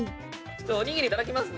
おにぎりいただきますね。